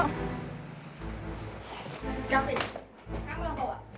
kamu yang bawa